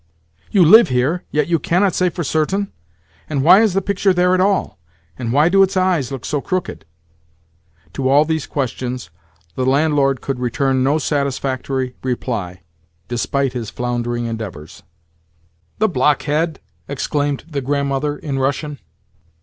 "You live here, yet you cannot say for certain! And why is the picture there at all? And why do its eyes look so crooked?" To all these questions the landlord could return no satisfactory reply, despite his floundering endeavours. "The blockhead!" exclaimed the Grandmother in Russian.